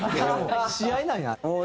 試合なんや。